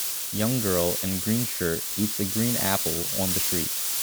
Young girl in green shirt eats a green apple on the street